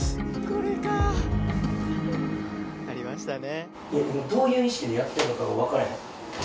これかありましたね。